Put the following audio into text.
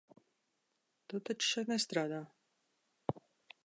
Tu taču šeit nestrādā?